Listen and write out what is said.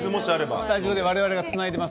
スタジオで我々がつないでいます。